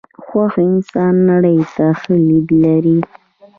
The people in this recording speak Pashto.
خوښ انسانان نړۍ ته ښه لید لري .